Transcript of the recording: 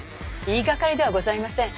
言いがかりではございません。